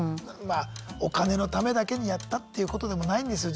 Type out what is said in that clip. お金のためだけにやったっていうことでもないんですよ